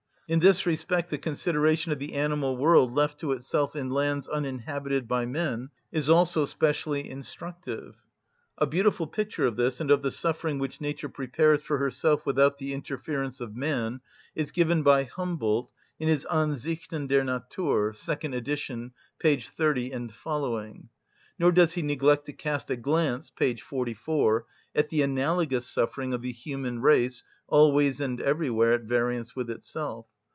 In this respect the consideration of the animal world left to itself in lands uninhabited by men is also specially instructive. A beautiful picture of this, and of the suffering which nature prepares for herself without the interference of man, is given by Humboldt in his "Ansichten der Natur" (second edition, p. 30 et seq.); nor does he neglect to cast a glance (p. 44) at the analogous suffering of the human race, always and everywhere at variance with itself.